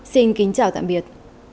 xin kính chào tạm biệt